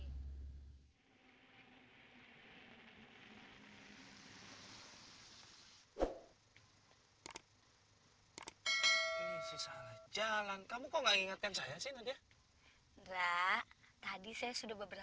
iya jadi cran trinity selalu bergantung dia